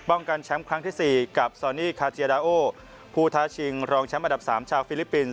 กันแชมป์ครั้งที่สี่กับซอนี่คาเจียดาโอผู้ท้าชิงรองแชมป์อันดับสามชาวฟิลิปปินส